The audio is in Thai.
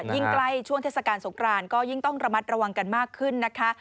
ยิ่งใกล้ช่วงเทศกาลสงครานก็ยิ่งต้องระมัดระวังกันมากขึ้นนะคะ